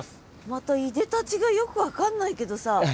またいでたちがよく分かんないけどさ。